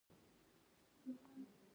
ګټه به د کومېندا ډول ته په کتو وېشل کېده.